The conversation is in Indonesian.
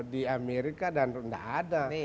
di amerika dan tidak ada